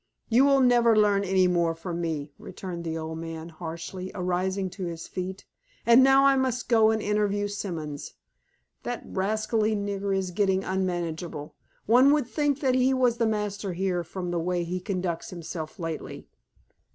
"You will never learn any more from me," returned the old man, harshly, arising to his feet. "And now I must go and interview Simons. That rascally nigger is getting unmanageable. One would think that he was the master here from the way that he conducts himself lately."